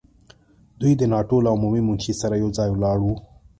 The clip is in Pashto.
دوی د ناټو له عمومي منشي سره یو ځای ولاړ وو.